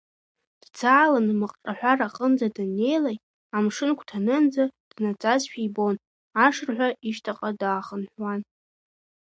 Дӡааланы маҟҿаҳәара аҟынӡа даннеилак, амшынгәҭанынӡа днаӡазшәа ибон, ашырҳәа ишьҭахьҟа даахынҳәуан…